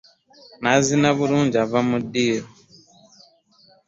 N'azina obulungi ava mu ddiiro.